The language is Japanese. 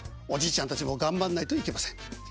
おじいちゃんたちも頑張んないといけません。